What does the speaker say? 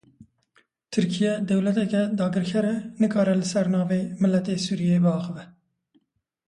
Tirkiye dewleteke dagirker e, nikare li ser navê miletê Sûriyê biaxive.